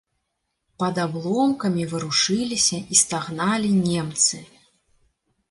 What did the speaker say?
Пад абломкамі варушыліся і стагналі немцы.